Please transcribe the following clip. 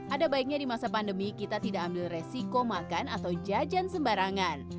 ada baiknya di masa pandemi kita tidak ambil resiko makan atau jajan sembarangan